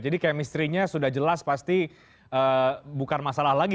jadi kemestrinya sudah jelas pasti bukan masalah lagi